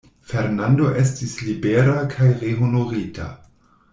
Fernando estis libera kaj rehonorita.